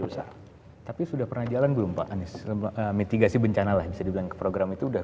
besar tapi sudah pernah jalan belum pak anies mitigasi bencana lain sedang program itu udah